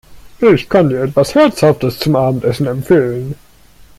Ich kann dir etwas Herzhaftes zum Abendessen empfehlen!